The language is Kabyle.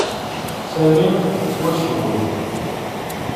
Sami yettwacewwel.